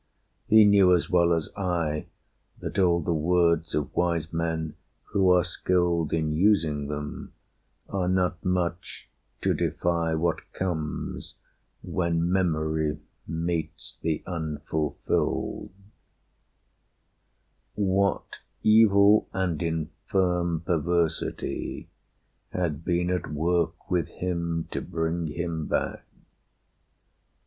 He knew as well as I That all the words of wise men who are skilled In using them are not much to defy What comes when memory meets the unfulfilled. What evil and infirm perversity Had been at work with him to bring him back?